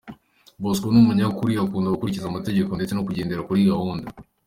Bosco ni umunyakuri, akunda gukurikiza amategeko ndetse no kugendera kuri gahunda.